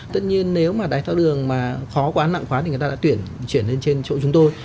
tất nhiên nếu mà đáy thao đường mà khó quá nặng quá thì người ta đã chuyển lên trên chỗ chúng tôi